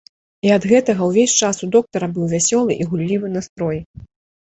І ад гэтага ўвесь час у доктара быў вясёлы і гуллівы настрой.